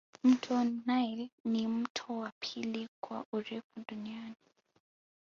mto nile ni mto wa pili kwa urefu duniani